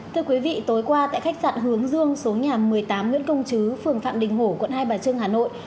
thưa quý vị tối qua tại khách sạn hướng dương số nhà một mươi tám nguyễn công chứ phường phạm đình hổ quận hai bà trưng hà nội